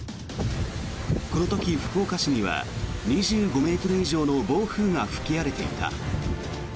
この時、福岡市には２５ｍ以上の暴風が吹き荒れていた。